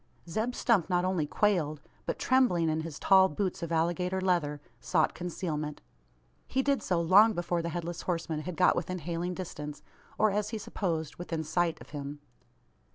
Zeb Stump not only quailed; but, trembling in his tall boots of alligator leather, sought concealment. He did so, long before the Headless Horseman had got within hailing distance; or, as he supposed, within sight of him.